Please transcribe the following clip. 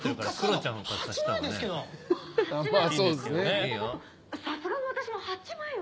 さすがの私も８枚は。